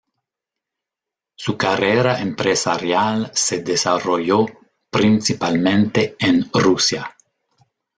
Su carrera empresarial se desarrolló principalmente en Rusia.